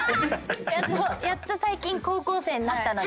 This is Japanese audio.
やっと最近高校生になったので。